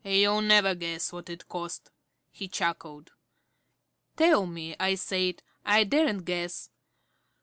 "You'll never guess what it cost," he chuckled. "Tell me," I said. "I daren't guess."